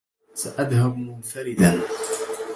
سأذهبُ منفردًا